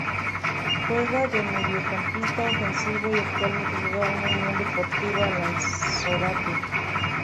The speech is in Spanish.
Juega de mediocampista ofensivo y actualmente juega en Unión Deportiva Lanzarote.